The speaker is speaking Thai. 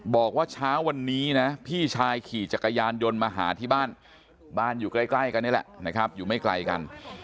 บอกว่าเช้าวันนี้นะพี่ชายขี่จักรยานยนต์มาหาที่บ้านบ้านอยู่ใกล้กันนี่แหละนะครับอยู่ไม่ไกลกัน